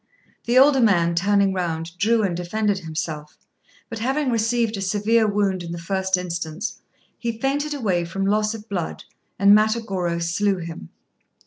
The older man, turning round, drew and defended himself; but having received a severe wound in the first instance, he fainted away from loss of blood, and Matagorô slew him.